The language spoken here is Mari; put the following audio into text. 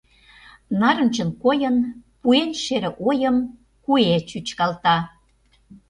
Нарынчын койын, Пуэн шере ойым, Куэ чӱчкалта.